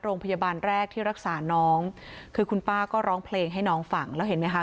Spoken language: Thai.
โรงพยาบาลแรกที่รักษาน้องคือคุณป้าก็ร้องเพลงให้น้องฟังแล้วเห็นไหมคะ